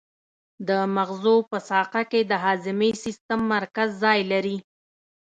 د مغزو په ساقه کې د هضمي سیستم مرکز ځای لري.